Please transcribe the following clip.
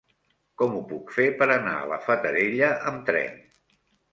Com ho puc fer per anar a la Fatarella amb tren?